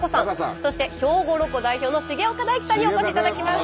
そして兵庫ロコ代表の重岡大毅さんにお越しいただきました。